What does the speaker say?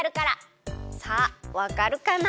さあわかるかな？